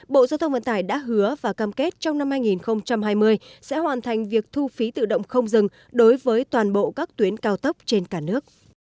bộ giao thông vận tải đã hứa và cam kết trong năm hai nghìn hai mươi sẽ hoàn thành việc thu phí tự động không dừng đối với toàn bộ các tuyến cao tốc trên cả nước